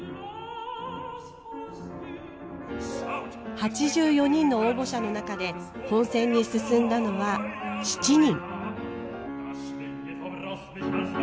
８４人の応募者の中で本選に進んだのは７人。